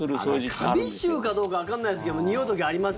あれ、カビ臭かどうかわかんないですけどにおう時あります